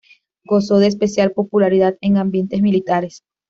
Gozó de especial popularidad en ambientes militares.